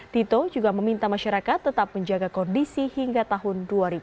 tito juga meminta masyarakat tetap menjaga kondisi hingga tahun dua ribu dua puluh